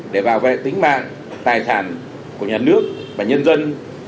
để bảo vệ tính mạng tài sản của nhà nước và nhân dân